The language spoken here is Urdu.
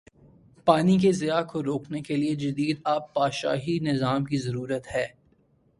پانی کے ضیاع کو روکنے کے لیے جدید آبپاشی نظام کی ضرورت ہے